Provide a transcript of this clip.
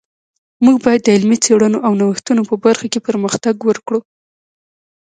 موږ باید د علمي څیړنو او نوښتونو په برخه کی پرمختګ ورکړو